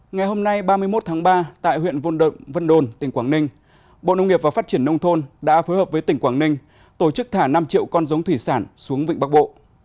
ngày hôm nay ba mươi một tháng ba tại huyện vôn động vân đồn tỉnh quảng ninh bộ nông nghiệp và phát triển nông thôn đã phối hợp với tỉnh quảng ninh tổ chức thả năm triệu con giống thủy sản xuống vịnh bắc bộ